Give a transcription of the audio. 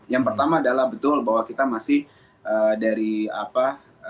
yang pertama adalah betul bahwa kita masih dari apa